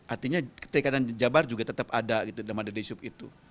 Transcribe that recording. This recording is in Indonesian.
artinya ketika dan jabar juga tetap ada gitu dalam adanya dedy yusuf itu